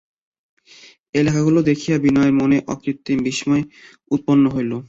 এই লেখাগুলি দেখিয়া বিনয়ের মনে অকৃত্রিম বিস্ময় উৎপন্ন হইল।